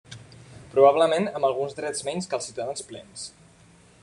Probablement amb alguns drets menys que els ciutadans plens.